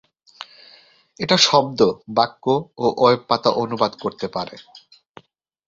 এটা শব্দ, বাক্য এবং ওয়েব পাতা অনুবাদ করতে পারে।